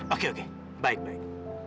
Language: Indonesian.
oke oke baik baik